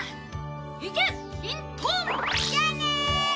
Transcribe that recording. じゃあねー！